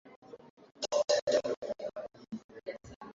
Lakini mara moja serikali ilianza kulazimisha mfumo wa chama kimoja cha kisiasa